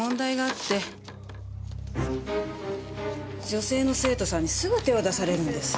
女性の生徒さんにすぐ手を出されるんです。